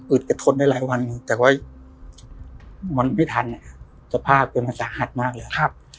อึดก็ทนได้หลายวันแต่ว่ามันไม่ทันสภาพเป็นมันสะหัสมากเลยครับ